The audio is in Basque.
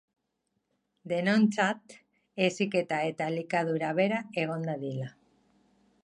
Denontzat heziketa eta elikadura bera egon dadila.